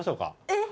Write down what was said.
えっ？